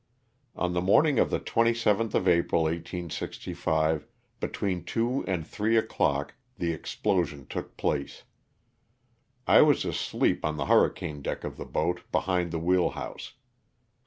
On the morning of the 27th of April, 1865, between two and three o'clock, the explosion took place. I was asleep on the hurricane deck of the boat, behind the wheel house.